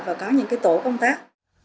và có những cái tổ công tác